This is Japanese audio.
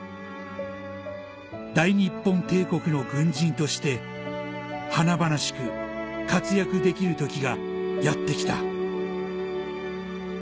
「大日本帝国の軍人として華々しく活躍できる時がやって来た」